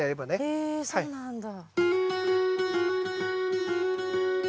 へえそうなんだ。